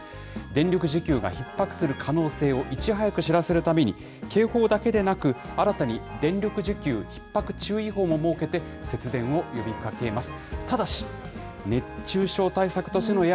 電力需給がひっ迫する可能性をいち早く知らせるために、警報だけでなく、新たに電力需給ひっ迫注意報も設けて、節電を呼びかけます。